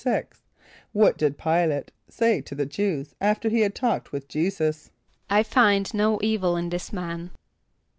= What did P[=i]´late say to the Jew[s+] after he had talked with J[=e]´[s+]us? ="I find no evil in this man."